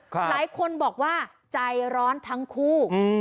หลายคนบอกว่าใจร้อนทั้งคู่อืม